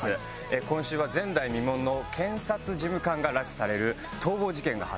今週は前代未聞の検察事務官が拉致される逃亡事件が発生します。